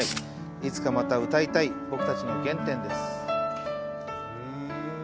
いつかまた歌いたい僕たちの原点の一つです。